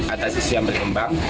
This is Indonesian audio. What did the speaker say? atas isu yang berkembang